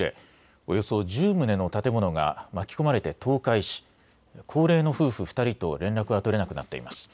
およそ１０棟の建物が巻き込まれて倒壊し高齢の夫婦２人と連絡が取れなくなっています。